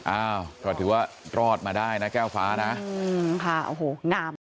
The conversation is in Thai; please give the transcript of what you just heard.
อ้าวก็ถือว่ารอดมาได้นะแก้วฟ้านะอืมค่ะโอ้โหงาม